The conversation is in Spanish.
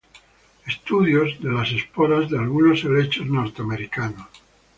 Estudios de las esporas de algunos helechos estadounidenses.